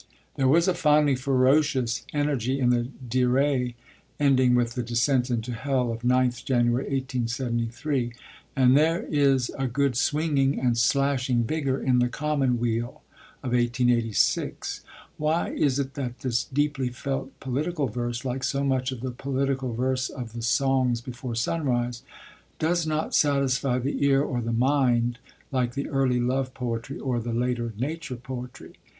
There was a finely ferocious energy in the Dirae ending with The Descent into Hell of 9th January 1873, and there is a good swinging and slashing vigour in The Commonweal of 1886. Why is it that this deeply felt political verse, like so much of the political verse of the Songs before Sunrise, does not satisfy the ear or the mind like the early love poetry or the later nature poetry?